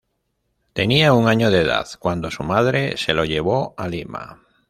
Tenía un año de edad cuando su madre se lo llevó a Lima.